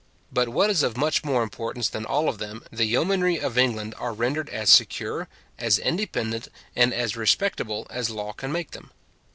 But what is of much more importance than all of them, the yeomanry of England are rendered as secure, as independent, and as respectable, as law can make them.